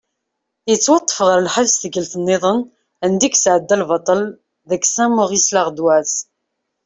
Yettwaṭṭef ɣer lḥebs tikkelt-nniḍen anda i yesεedda lbaṭel deg "Saint Maurice L’ardoise".